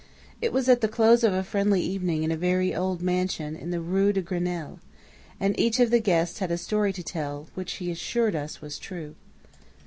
It was at the close of a friendly evening in a very old mansion in the Rue de Grenelle, and each of the guests had a story to tell, which he assured us was true.